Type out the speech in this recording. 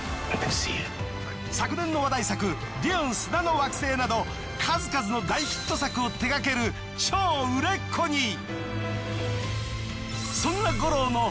昨年の話題作『デューン砂の惑星』など数々の大ヒット作を手がける超売れっ子に。